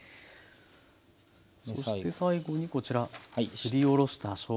そして最後にこちらすりおろしたしょうがですね。